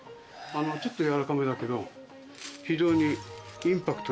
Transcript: ちょっと軟らかめだけど非常にインパクトのある。